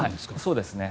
そうですね。